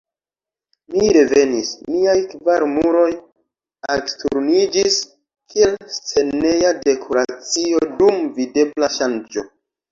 Mi revenis: miaj kvar muroj aksturniĝis, kiel sceneja dekoracio dum videbla ŝanĝo.